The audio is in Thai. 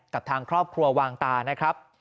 กับทางครอบครัววางตานะครับ